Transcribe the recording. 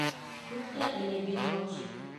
Туҡта әле, Билалчик.